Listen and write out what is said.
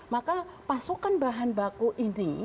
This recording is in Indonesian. maka pasokan bahan baku ini